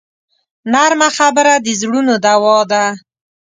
نرمه خبره د زړونو دوا ده